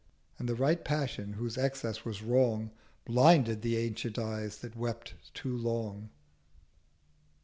And the right Passion whose Excess was wrong Blinded the aged Eyes that wept too long.